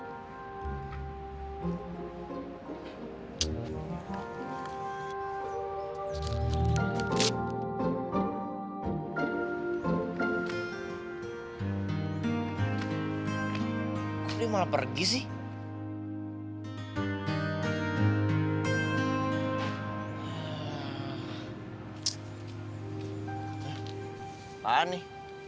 kok ini malah pergi sih